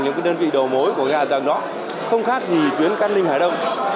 những đơn vị đầu mối của hạ tầng đó không khác gì tuyến căn linh hải đông